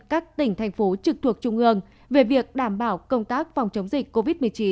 các tỉnh thành phố trực thuộc trung ương về việc đảm bảo công tác phòng chống dịch covid một mươi chín